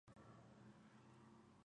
Él daría vuelta al club alrededor.